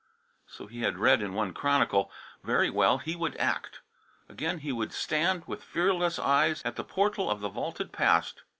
So he had read in one chronicle. Very well, he would act. Again he would stand, with fearless eyes, at the portal of the vaulted past.